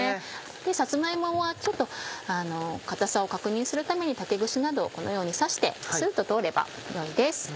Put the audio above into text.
さつま芋はちょっと硬さを確認するために竹串などをこのように刺してスッと通ればよいです。